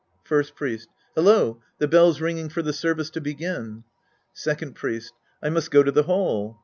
First Priest. Hello, the bell's ringing for the service to begin. Second Priest. I must go to the hall.